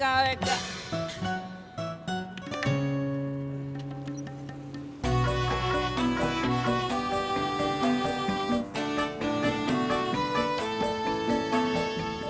ammm putih terukk